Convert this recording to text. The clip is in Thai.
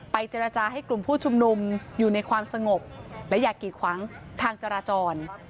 เจรจาให้กลุ่มผู้ชุมนุมอยู่ในความสงบและอย่ากีดขวางทางจราจร